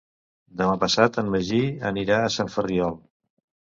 Demà passat en Magí anirà a Sant Ferriol.